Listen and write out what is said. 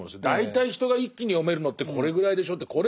大体人が一気に読めるのってこれぐらいでしょって。